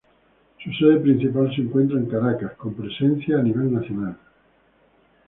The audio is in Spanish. Su sede principal se encuentra en Caracas, con presencia a nivel nacional.